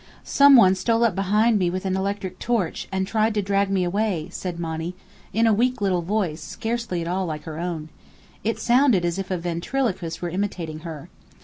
"Some one stole up behind with an electric torch, and tried to drag me away," said Monny, in a weak little voice, scarcely at all like her own. It sounded as if a ventriloquist were imitating her.